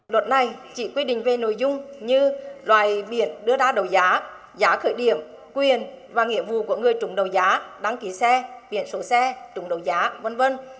luật này chỉ quy định về nội dung như loài biển đưa ra đấu giá giá khởi điểm quyền và nghĩa vụ của người trùng đấu giá đăng ký xe biển số xe trúng đấu giá v v